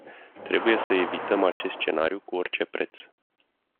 Trebuie să evităm acest scenariu cu orice preț.